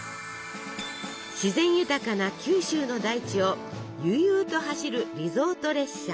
自然豊かな九州の大地を悠々と走るリゾート列車。